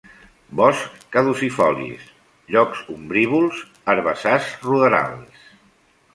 Boscs caducifolis, llocs ombrívols, herbassars ruderals.